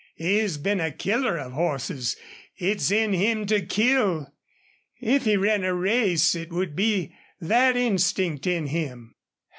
He has been a killer of horses. It's in him to KILL. If he ran a race it would be that instinct in him."